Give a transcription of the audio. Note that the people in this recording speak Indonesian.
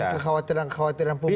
dengan kekhawatiran kekhawatiran publik